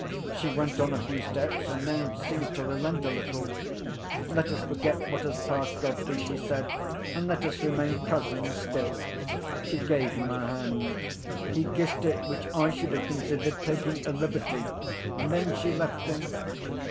She went on a few steps, and then seemed to relent a little. 'Let us forget what has passed, Godfrey,' she said, 'and let us remain cousins still.' She gave him her hand. He kissed it, which I should have considered taking a liberty, and then she left him.